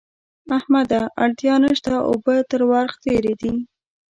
احمده! اړتیا نه شته؛ اوبه تر ورخ تېرې دي.